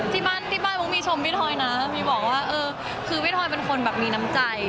ที่บ้านที่บ้านมุกมีชมพี่ทอยนะมีบอกว่าเออคือพี่ทอยเป็นคนแบบมีน้ำใจ